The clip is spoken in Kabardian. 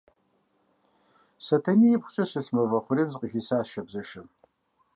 Сэтэней ибгъукӏэ щылъ мывэ хъурейм зыкъыхисащ шабзэшэм.